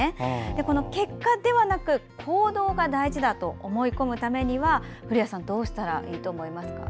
この結果ではなく行動が大事だと思い込むためには古谷さんどうしたらいいと思いますか。